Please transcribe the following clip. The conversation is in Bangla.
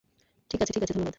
ঠিক আছে ঠিক আছে, ধন্যবাদ।